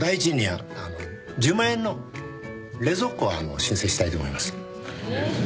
あの１０万円の冷蔵庫を申請したいと思います。